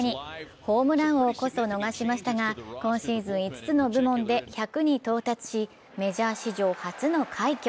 ホームラン王こそ逃しましたが今シーズン５つの部門で１００に到達しメジャー史上初の快挙。